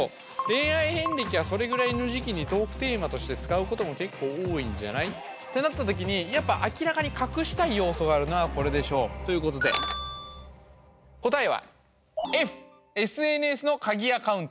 恋愛遍歴はそれぐらいの時期にトークテーマとして使うことも結構多いんじゃない？ってなった時にやっぱ明らかに隠したい要素があるのはこれでしょう。ということで答えはさすがです。